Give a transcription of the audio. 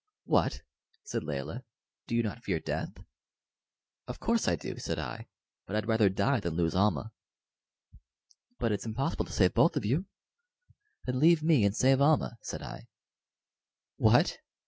"What!" said Layelah, "do you not fear death?" "Of course I do," said I; "but I'd rather die than lose Almah." "But it's impossible to save both of you." "Then leave me and save Almah," said I. "What!